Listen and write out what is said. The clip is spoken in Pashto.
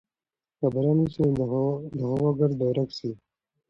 که باران وسي نو د هوا ګرد به ورک سي.